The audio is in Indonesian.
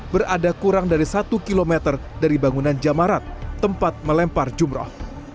berada kurang dari satu km dari bangunan jamarat tempat melempar jumroh